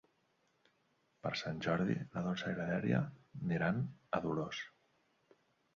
Per Sant Jordi na Dolça i na Dèlia iran a Dolors.